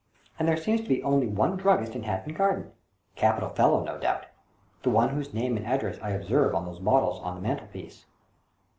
And there seems to be only one druggist in Hatton Garden — capital fellow, no doubt — the one whose name and address I observe on those bottles on the mantelpiece."